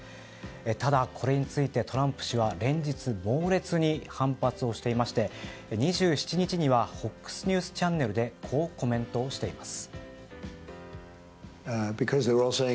ただ、これについてトランプ氏は連日、猛烈に反発をしていまして２７日にはＦＯＸニュースチャンネルでこうコメントしています。